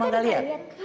o enggak lihat